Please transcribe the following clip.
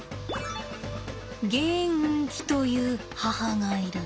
ゲンキという母がいる。